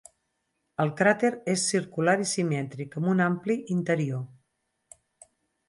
El cràter és circular i simètric, amb un ampli interior.